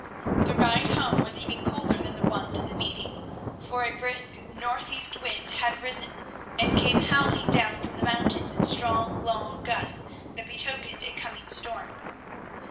The ride home was even colder than the one to the meeting; for a brisk north east wind had risen, and came howling down from the mountains in strong, long gusts that betokened a coming storm.